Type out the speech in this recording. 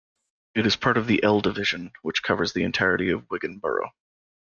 It is part of the L division, which covers the entirety of Wigan borough.